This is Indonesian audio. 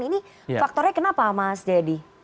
ini faktornya kenapa mas jayadi